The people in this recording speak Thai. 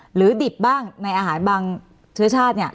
ดิบบ้างในอาหารบางเชื้อชาติเนี่ย